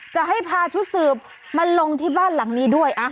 จะให้พาชุดสืบมาลงที่บ้านหลังนี้ด้วย